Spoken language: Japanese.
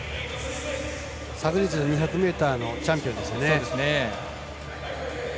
昨日２００ｍのチャンピオンです。